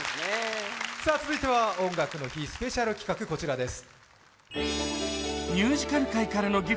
続いては、「音楽の日」スペシャル企画、こちらです。